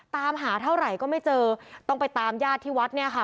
ตามหาเท่าไหร่ก็ไม่เจอต้องไปตามญาติที่วัดเนี่ยค่ะ